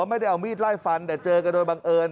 ไม่ได้เอามีดไล่ฟันแต่เจอกันโดยบังเอิญ